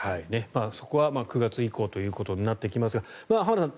そこは９月以降となってきますが浜田さん